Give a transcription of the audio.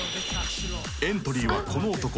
［エントリーはこの男］